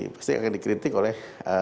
pasti akan dikritik oleh